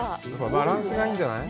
バランスがいいんじゃない？